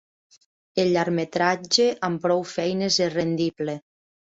El llargmetratge amb prou feines és rendible.